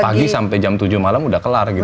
pagi sampe jam tujuh malam udah kelar gitu